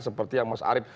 seperti yang mas arief